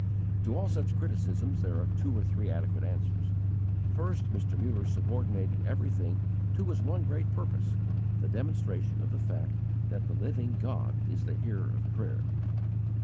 To all such criticisms, there are two or three adequate answers. First, Mr. Muller subordinated everything to his one great purpose, the demonstration of the fact that the Living God is the Hearer of prayer.